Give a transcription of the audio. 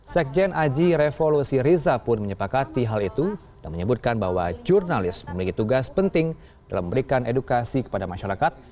sekjen aji revolusi riza pun menyepakati hal itu dan menyebutkan bahwa jurnalis memiliki tugas penting dalam memberikan edukasi kepada masyarakat